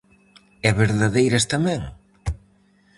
E verdadeiras tamén?